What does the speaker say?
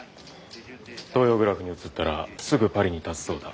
東洋グラフに移ったらすぐパリにたつそうだ。